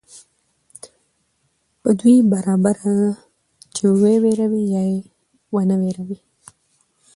په دوى برابره ده چي وئې وېروې يا ئې ونه وېروې